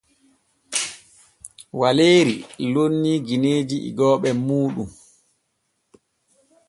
Waleeri lonnii gineeji igooɓe mooɗon.